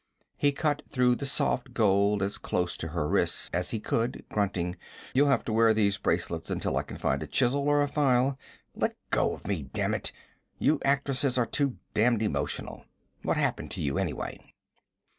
He cut through the soft gold as close to her wrists as he could, grunting: 'You'll have to wear these bracelets until I can find a chisel or a file. Let go of me, damn it! You actresses are too damned emotional. What happened to you, anyway?'